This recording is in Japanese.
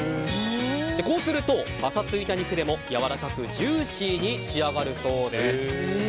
こうすると、パサついた肉でもやわらかくジューシーに仕上がるそうです。